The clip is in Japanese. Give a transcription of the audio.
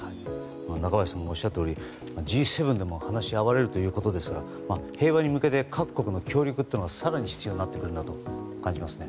中林さんがおっしゃるとおりＧ７でも話し合われるということですが平和に向けて各国の協力が更に必要になってくるなと感じますね。